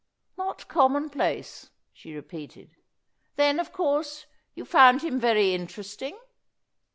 "Not commonplace," she repeated; "then, of course, you found him very interesting?"